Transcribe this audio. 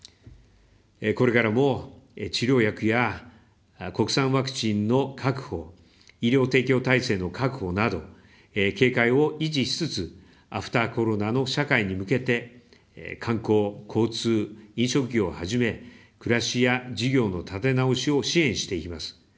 これからも治療薬や国産ワクチンの確保、医療提供体制の確保など警戒を維持しつつ、アフターコロナの社会に向けて、観光、交通、飲食業をはじめ、暮らしや事業の立て直しを支援していきます。